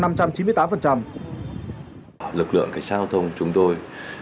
lực lượng cảnh sát giao thông chúng tôi